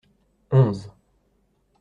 Onze.